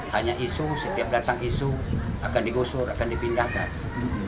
hanya isu setiap datang isu akan digusur akan dipindahkan